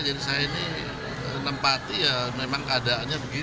jadi saya ini enam empat ya memang keadaannya begitu